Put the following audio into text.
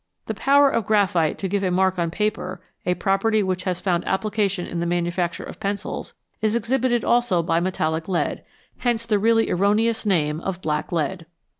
The power of graphite to give a mark on paper, a property which has found application in the manufacture of pencils, is exhibited also by metallic lead, hence the really erroneous name of " black lead."